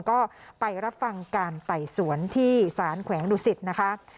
ก็ไปรับฟังการไต่สวนที่สารแขวงดุสิตนะคะ